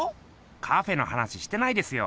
カフェの話してないですよ。